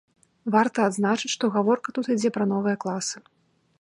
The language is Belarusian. Варта адзначыць, што гаворка тут ідзе пра новыя класы.